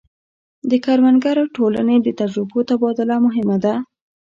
د کروندګرو ټولنې د تجربو تبادله مهمه ده.